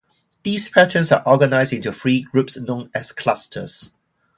These patterns are organized into three groups known as clusters.